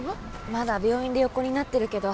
まだ病院で横になってるけど。